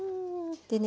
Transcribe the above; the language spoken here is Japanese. でね